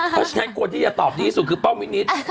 เพราะฉะนั้นคนที่จะตอบดีที่สุดคือป้อมวินิต